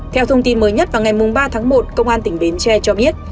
theo thông tin mới nhất vào ngày ba tháng một công an tỉnh bến tre cho biết